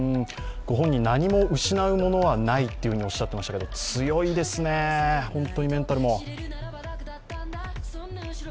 ご本人、何も失うものはないとおっしゃっていましたけど、強いですね、本当にメンタルも。